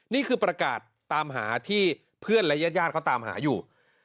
นี่คือประกาศตามหาที่เพื่อนและญาติเขาตามหาอยู่